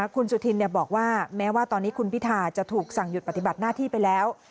คุณสุธินบอกว่าแม้ว่าตอนนี้คุณพิธาจะถูกสั่งหยุดปฏิบัติหน้าที่ไปแล้ว